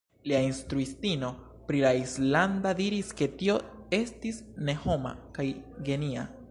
Lia instruistino pri la islanda diris ke tio estis "ne homa" kaj "genia".